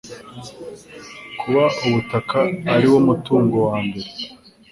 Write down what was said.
kuba ubutaka ariwo mutungo wa mbere